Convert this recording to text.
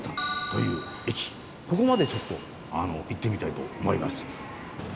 ここまでちょっと行ってみたいと思います。